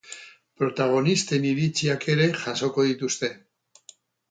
Protagonisten iriziak ere jasoko dituzte.